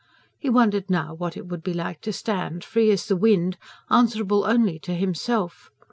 He wondered now what it would be like to stand free as the wind, answerable only to himself.